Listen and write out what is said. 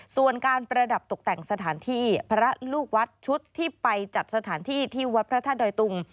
ส่วนการประดับตกแต่งสถานที่พระลูกวัดชุดที่ไปจัดสถานที่ที่วัดพระธาตุดอยตุง